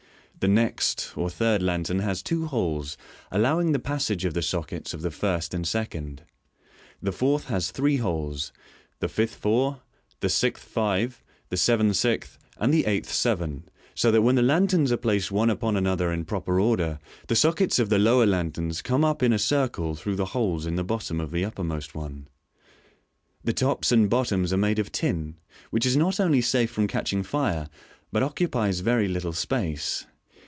The next, or third lantern, has two holes, allowing the passage of the sockets of the first and second. The fourth has three holes, the fifth four, thr sixth five, the seventh six, and the eighth seven, so that when the lanterns are placed one upon another in proper order, the sockets of the lower lanterns come up in a circle through the holes in the bottom of the uppermost one. The tops and bottoms are made of tin, which is not only safe from catching fire, but occupies very little space.